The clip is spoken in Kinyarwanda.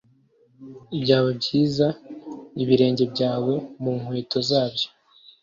Byaba byiza ibirenge byawe mu nkweto zabyo,